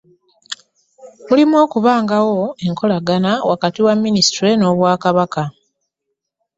“Mulimu okubangawo enkolagana wakati wa Minisitule n'Obwakabaka"